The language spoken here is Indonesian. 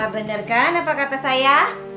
bener kan apa kata saya